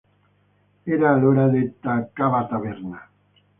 Era allora detta "Cava Taverna".